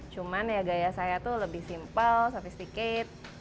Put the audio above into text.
cuman ya gaya saya itu lebih simple sophisticated